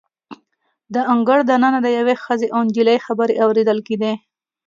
د انګړ د ننه د یوې ښځې او نجلۍ خبرې اوریدل کیدې.